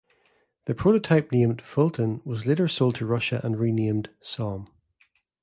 The prototype, named "Fulton", was later sold to Russia, and renamed "Som".